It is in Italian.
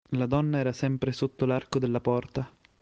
La donna era sempre sotto l'arco della porta.